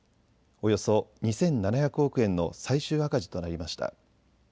およそ２７００億円の最終赤字となりました。